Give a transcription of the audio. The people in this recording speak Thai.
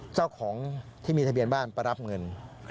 เจ้าของที่มีทะเบียนบ้านไปรับเงิน